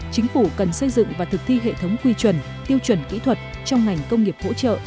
chính phủ cần xây dựng và thực thi hệ thống quy chuẩn tiêu chuẩn kỹ thuật trong ngành công nghiệp hỗ trợ